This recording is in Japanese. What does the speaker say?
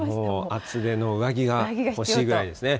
厚手の上着が欲しいぐらいですね。